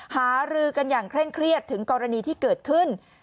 หารือกันอย่างเคร่งเครียดถึงกรณีที่เกิดขึ้น